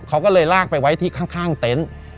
เขาก็เลยลากไปไว้ที่ข้างเต็นต์